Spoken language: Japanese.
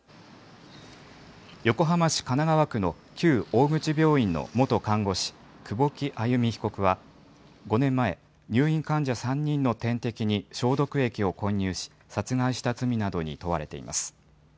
横浜市神奈川区の旧大口病院の元看護師、久保木愛弓被告は、５年前、入院患者３人の点滴に消毒液を混入し、殺害した罪などに問われています。